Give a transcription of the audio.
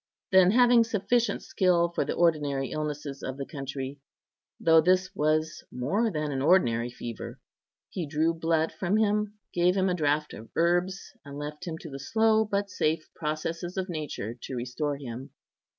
Then, having sufficient skill for the ordinary illnesses of the country, though this was more than an ordinary fever, he drew blood from him, gave him a draught of herbs, and left him to the slow but safe processes of nature to restore him.